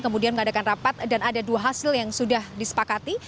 kemudian mengadakan rapat dan ada dua hasil yang sudah disepakati